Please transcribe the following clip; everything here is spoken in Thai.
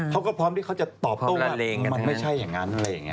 เขาก็พร้อมที่เขาจะตอบโต้ว่ามันไม่ใช่อย่างนั้นอะไรอย่างนี้